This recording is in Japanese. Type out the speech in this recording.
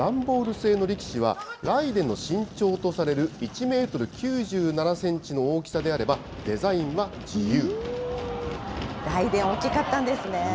製の力士は、雷電の身長とされる１メートル９７センチの大きさであれば、デザインは自由。